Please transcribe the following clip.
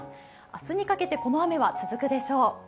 明日にかけて、この雨は続くでしょう。